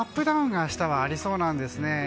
ダウンが明日はありそうなんですね。